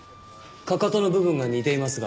かかとの部分が似ていますが違います。